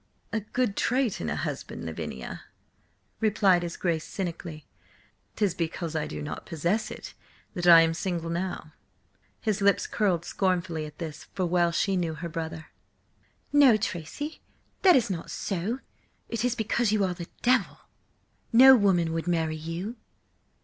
"A good trait in a husband, Lavinia," replied his Grace cynically. "'Tis because I do not possess it that I am single now." Her lips curled scornfully at this, for well she knew her brother. "No, Tracy, that is not so! It is because you are a devil! No woman would marry you!"